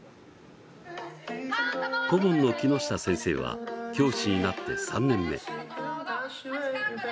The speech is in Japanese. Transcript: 顧問の木下先生は教師になって３年目。